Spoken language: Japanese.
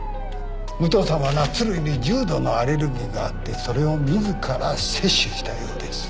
武藤さんはナッツ類に重度のアレルギーがあってそれを自ら摂取したようです。